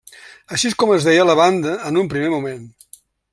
Així és com es deia la banda en un primer moment.